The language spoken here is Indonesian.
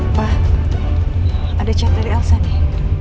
wah ada chat dari elsa nih